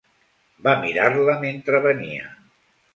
Va mirar-la mentre venia.